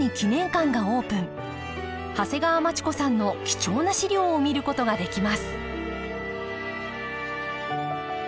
長谷川町子さんの貴重な資料を見ることができます